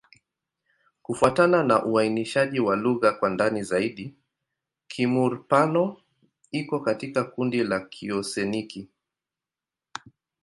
Kufuatana na uainishaji wa lugha kwa ndani zaidi, Kimur-Pano iko katika kundi la Kioseaniki.